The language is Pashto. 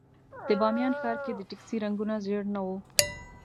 د بامیان ښار کې د ټکسي رنګونه ژېړ نه وو.